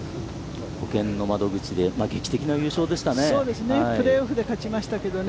ほけんの窓口で、劇的な優勝でしたね。